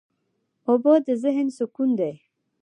اوبه د ذهن سکون دي.